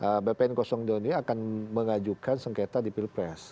jadi saya mau prediksi bahwasannya bpn dua ini akan mengajukan sengketa di pilpres